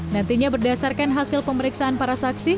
nantinya berdasarkan hasil pemeriksaan para saksi